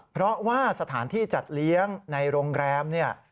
เพราะว่าสถานที่จัดเลี้ยงในโรงแรมเนี่ย